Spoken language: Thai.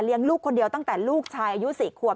ลูกคนเดียวตั้งแต่ลูกชายอายุ๔ขวบ